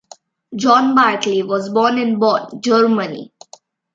John Barclay was born in Bonn, Germany.